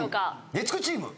月９チーム。